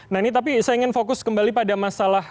nah ini tapi saya ingin fokus kembali pada masalah